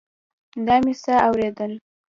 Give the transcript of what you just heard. دا مې څه اورېدل.